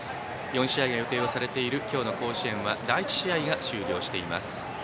４試合が予定されている今日の甲子園は第１試合が終了しています。